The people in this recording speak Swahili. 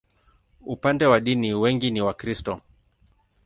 Upande wa dini, wengi ni Wakristo.